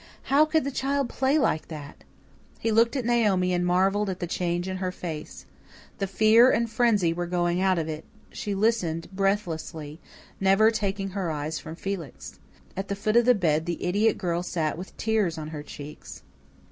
How could the child play like that? He looked at Naomi and marvelled at the change in her face. The fear and frenzy were going out of it; she listened breathlessly, never taking her eyes from Felix. At the foot of the bed the idiot girl sat with tears on her cheeks.